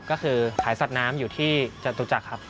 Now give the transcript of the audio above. ก็คือขายสัตว์น้ำอยู่ที่จตุจักรครับ